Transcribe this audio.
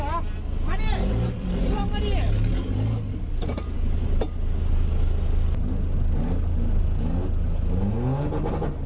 มาดิลงมาดิ